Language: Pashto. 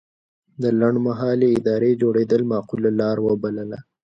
د لنډمهالې ادارې جوړېدل معقوله لاره وبلله.